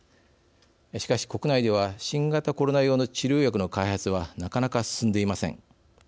しかし、国内では新型コロナ用の治療薬の開発はなかなか進んでいません。